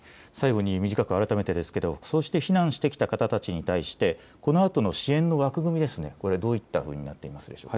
最後に短く改めてですが避難してきた方たちに対してこのあとの支援の枠組み、どういったふうになっていますか。